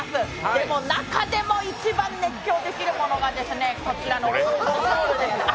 でも中でも一番熱狂できるものがこちらの「黄金魂」です。